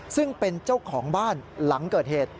ซึ่งเป็นเจ้าของบ้านหลังเกิดเหตุ